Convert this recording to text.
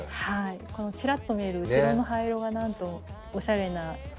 ちらっと見える後ろの葉色がなんともおしゃれな色合いが。